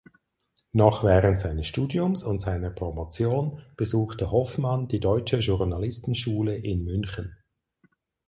Noch während seines Studiums und seiner Promotion besuchte Hofmann die Deutsche Journalistenschule in München.